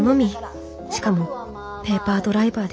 しかもペーパードライバーです